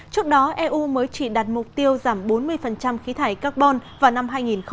trước đó eu mới chỉ đạt mục tiêu giảm bốn mươi khí thải carbon vào năm hai nghìn năm mươi